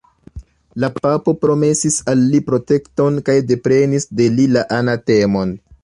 La papo promesis al li protekton kaj deprenis de li la anatemon.